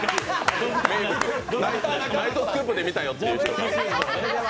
「ナイトスクープ」で見たよって。